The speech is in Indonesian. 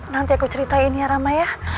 nanti aku ceritain ya rama ya